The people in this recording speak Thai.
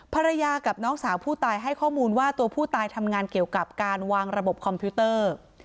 ภรรยากับน้องสาวผู้ตายให้ข้อมูลว่าตัวผู้ตายทำงานเกี่ยวกับการวางระบบคอมพิวเตอร์